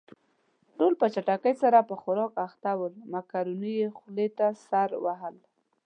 ټول په چټکۍ سره په خوراک اخته ول، مکروني يې خولې ته سر وهل.